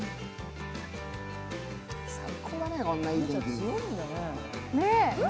最高だね。